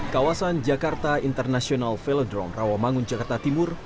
kawasan jakarta international velodrome rawamangun jakarta timur